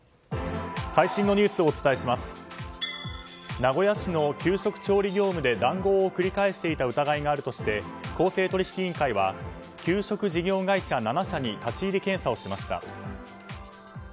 名古屋市の給食調理業務で談合を繰り返していた疑いがあるとして公正取引委員会は給食事業会社７社に立ち入り検査をしました。